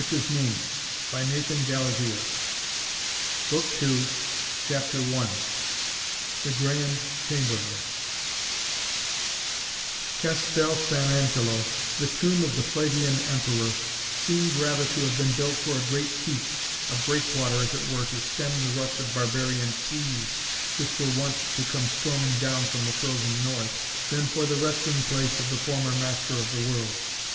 END OF BOOK THE FIRST BOOK THE SECOND CHAPTER I THE GRAND CHAMBERLAIN Castel San Angelo, the Tomb of the Flavian Emperor, seemed rather to have been built for a great keep, a breakwater as it were to stem the rush of barbarian seas which were wont to come storming down from the frozen north, than for the resting place of the former master of the world.